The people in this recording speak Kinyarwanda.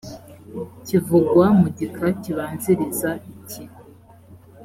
kivugwa mu gika kibanziriza iki